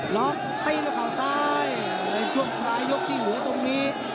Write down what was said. ล็อกตีด้วยข่าวซ้ายในช่วงปลายยกที่เหลือตรงนี้